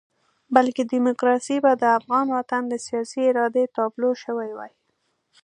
بلکې ډیموکراسي به د افغان وطن د سیاسي ارادې تابلو شوې وای.